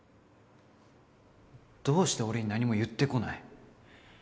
どうして俺に何も言ってこない？